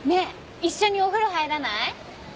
一緒にお風呂入らない？